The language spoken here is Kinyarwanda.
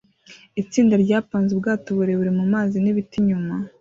Itsinda ryapanze ubwato burebure mu mazi n'ibiti inyuma